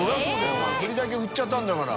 お前振りだけ振っちゃったんだから。